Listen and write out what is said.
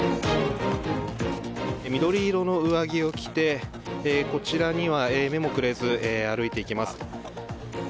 緑色の上着を着てこちらには目もくれず歩いていきます。